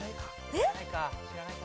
えっ？